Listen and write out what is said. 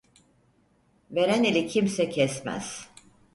Veren eli kimse kesmez.